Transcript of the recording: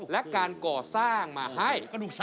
และการก่อสร้างมาให้